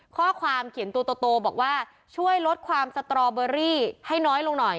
ข้อความเขียนตัวโตบอกว่าช่วยลดความสตรอเบอรี่ให้น้อยลงหน่อย